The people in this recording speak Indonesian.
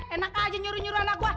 enak aja nyuruh nyuruh anak buah